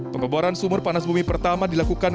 pengeboran sumur panas bumi pertama dilakukan